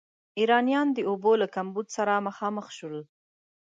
ایرانیانو د اوبو له کمبود سره مخامخ شو.